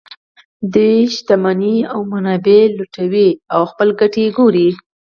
دوی شتمنۍ او منابع لوټوي او خپلې ګټې ګوري